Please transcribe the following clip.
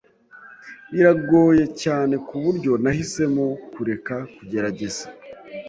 Biragoye cyane kuburyo nahisemo kureka kugerageza.